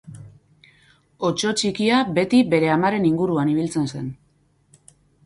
Otso txikia beti bere amaren inguruan ibiltzen zen.